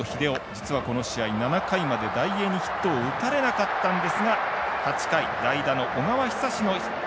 実は、この試合、７回までダイエーにヒットを打たれなかったんですが、８回代打の小川のヒット。